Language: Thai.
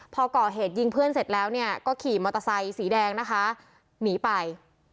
พอก่อเหตุยิงเพื่อนเสร็จแล้วเนี่ยก็ขี่มอเตอร์ไซค์สีแดงนะคะหนีไป